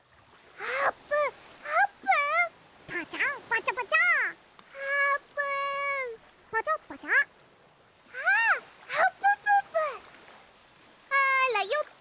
あらよっと！